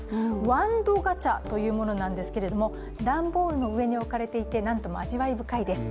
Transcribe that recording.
わんどガチャというものなんですけれども、段ボールの上に置かれていてなんとも味わい深いです。